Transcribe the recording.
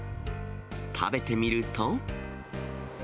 食べてみると。